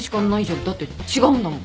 だって違うんだもん。